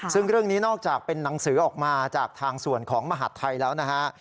ซึ่งเรื่องนี้นอกจากเป็นหนังสือออกมาจากทางส่วนของมหาดไทยแล้วนะฮะ